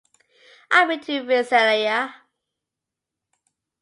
I've been to Visalia.